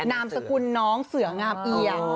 นามสกุลน้องเสืองามเอียง